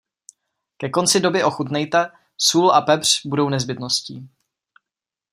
Ke konci doby ochutnejte, sůl a pepř budou nezbytností.